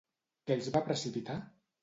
Què els va precipitar?